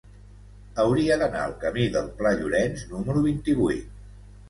Hauria d'anar al camí del Pla Llorenç número vint-i-vuit.